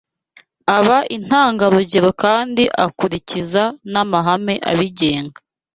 aba intangarugero kandi akurikiza n’amahame abigenga